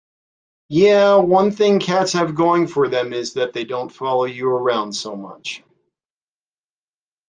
Yeah, one thing cats have going for them is that they don't follow you around so much.